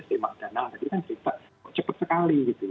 si magdana tadi kan cepat sekali